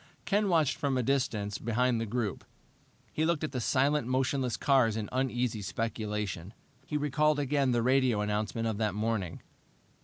Ken watched from a distance behind the group. He looked at the silent, motionless cars in uneasy speculation. He recalled again the radio announcement of that morning.